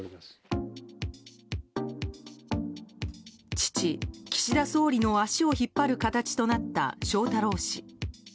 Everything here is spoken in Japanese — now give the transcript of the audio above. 父・岸田総理の足を引っ張る形となった翔太郎氏。